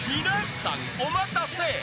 ［皆さんお待たせ。